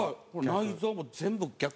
内臓も全部逆で。